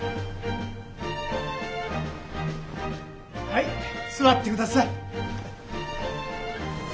はい座ってください。